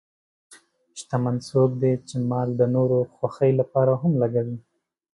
شتمن څوک دی چې مال د نورو خوښۍ لپاره هم لګوي.